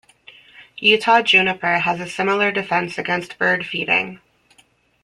Utah juniper has a similar defense against bird feeding.